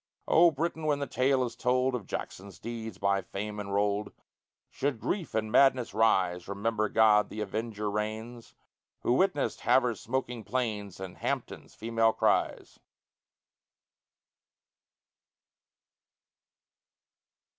O Britain! when the tale is told Of Jackson's deeds by fame enrolled, Should grief and madness rise, Remember God, the avenger, reigns, Who witnessed Havre's smoking plains, And Hampton's female cries.